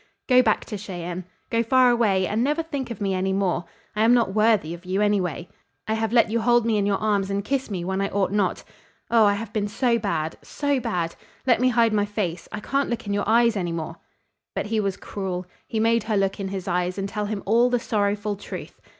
Go back to Cheyenne. Go far away and never think of me any more. I am not worthy of you, anyway. I have let you hold me in your arms and kiss me when I ought not. Oh, I have been so bad so bad! Let me hide my face. I can't look in your eyes any more." But he was cruel. He made her look in his eyes and tell him all the sorrowful truth.